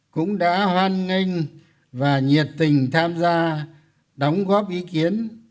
cũng đã hoan nghênh và nhiệt tình tham gia đóng góp ý kiến